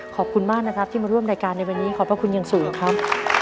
ขอบคุณมากนะครับที่มาร่วมรายการในวันนี้ขอบพระคุณอย่างสูงครับ